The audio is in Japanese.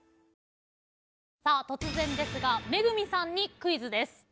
さあ突然ですが恵さんにクイズです。